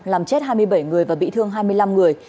làm chết hai mươi bảy người và bị thương hai mươi năm người